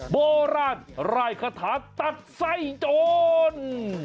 โบราณรายคาถาตัดไส้โจร